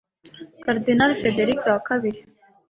Karidinali Frederick wa kabiri